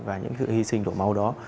và những sự hy sinh đổ máu đó